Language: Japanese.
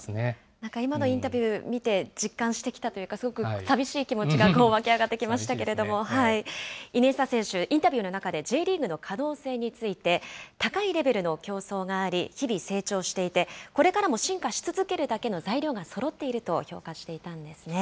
なんか今のインタビュー見て、実感してきたというか、すごく寂しい気持ちが湧き上がってきましたけれども、イニエスタ選手、インタビューの中で、Ｊリーグの可能性について、高いレベルの競争があり、日々成長していて、これからも進化し続けるだけの材料がそろっていると評価していたんですね。